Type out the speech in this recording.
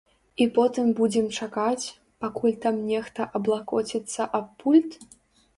І потым будзем чакаць, пакуль там нехта аблакоціцца аб пульт?